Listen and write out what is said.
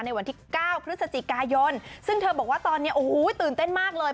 ในวันที่๙พฤศจิกายนซึ่งเธอบอกว่าตอนนี้โอ้โหตื่นเต้นมากเลย